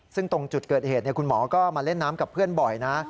ซึ่งตรงจุดเกิดเหตุคุณหมอก็มาเล่นน้ำกับเพื่อนบ่อยนะ